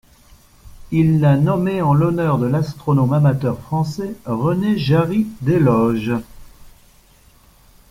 Il a nommé en l'honneur de l'astronome amateur français René Jarry-Desloges.